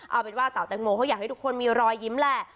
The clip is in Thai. เอาเป็นว่าสาวแตงโมเขาอยากให้ทุกคนมีรอยยิ้มแหละ